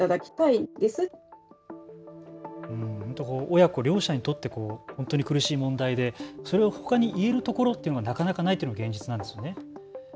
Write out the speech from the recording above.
親子両者にとって本当に苦しい問題でそれをほかに言えるところというのはなかなかないというのが現実なんですよね。